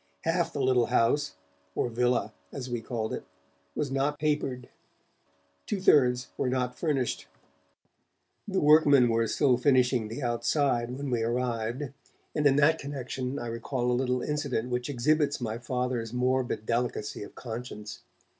Half the little house, or 'villa' as we called it, was not papered, two thirds were not furnished. The workmen were still finishing the outside when we arrived, and in that connection I recall a little incident which exhibits my Father's morbid delicacy of conscience.